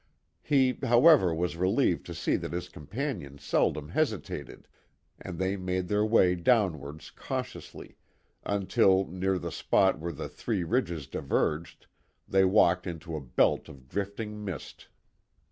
He, however, was relieved to see that his companion seldom hesitated, and they made their way downwards cautiously, until, near the spot where the three ridges diverged, they walked into a belt of drifting mist.